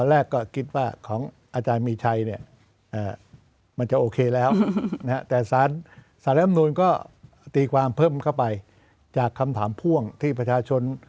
แรกก็คิดว่าของอาจารย์มีชัยเนี่ยมันจะโอเคแล้วแต่สารรับนูนก็ตีความเพิ่มเข้าไปจากคำถามพ่วงที่ประชาชน